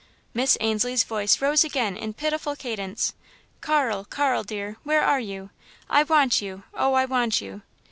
Miss Ainslie's voice rose again in pitiful cadence. "Carl, Carl, dear! Where are you? I want you oh, I want you!"